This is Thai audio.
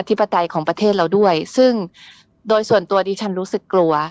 ปไตยของประเทศเราด้วยซึ่งโดยส่วนตัวดิฉันรู้สึกกลัว